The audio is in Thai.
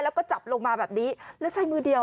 แล้วก็จับลงมาแบบนี้แล้วใช้มือเดียว